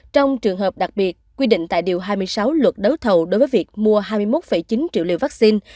trong trường hợp đặc biệt quy định tại điều hai mươi sáu luật đấu thầu đối với việc mua hai mươi một chín triệu liều vaccine